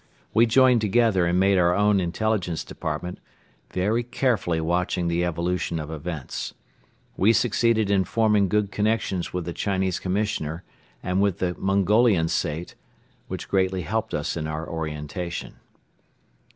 We joined together and made our own intelligence department, very carefully watching the evolution of events. We succeeded in forming good connections with the Chinese commissioner and with the Mongolian Sait, which greatly helped us in our orientation.